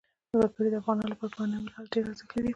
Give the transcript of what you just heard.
وګړي د افغانانو لپاره په معنوي لحاظ ډېر زیات ارزښت لري.